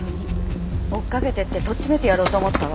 追いかけていってとっちめてやろうと思ったわ。